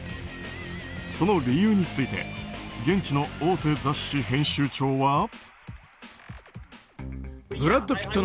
その理由について現地の大手雑誌編集長は。